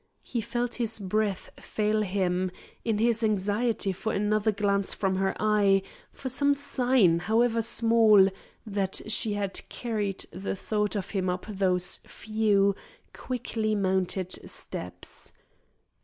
He felt his breath fail him, in his anxiety for another glance from her eye, for some sign, however small, that she had carried the thought of him up those few, quickly mounted steps.